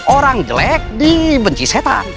orang jelek dibenci setan